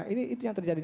ini itu yang terjadi